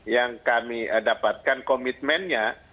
yang kami dapatkan komitmennya